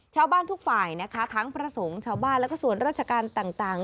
ชาวบ้านทุกฝ่ายนะคะทั้งพระสงฆ์ชาวบ้านแล้วก็ส่วนราชการต่าง